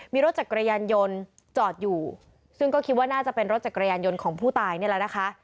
มีรถจักรยานยนต์จอดอยู่ซึ่งก็คิดว่าน่าจะเป็นรถจักรยานยนต์ของผู้ตายนี่แหละนะคะ